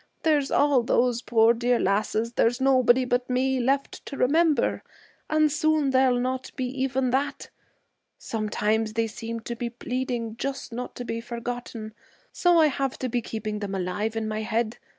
There's all those poor dear lasses there's nobody but me left to remember, and soon there'll not be even that. Sometimes they seem to be pleading just not to be forgotten, so I have to be keeping them alive in my head.